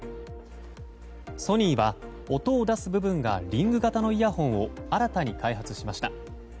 ソニーは音を出す部分がリング型のイヤホンを新たに開発しました。